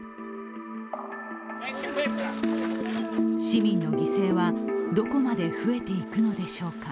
市民の犠牲はどこまで増えていくのでしょうか。